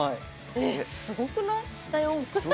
すごくない？